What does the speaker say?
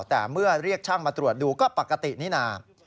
แต่เมื่อเรียกช่างมาตรวจดูก็ปกตินี่นา